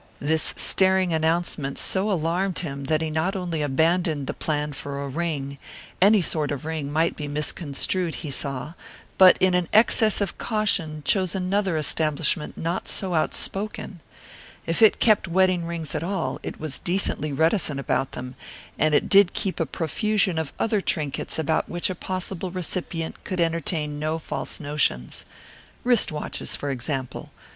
This staring announcement so alarmed him that he not only abandoned the plan for a ring any sort of ring might be misconstrued, he saw but in an excess of caution chose another establishment not so outspoken. If it kept wedding rings at all, it was decently reticent about them, and it did keep a profusion of other trinkets about which a possible recipient could entertain no false notions. Wrist watches, for example.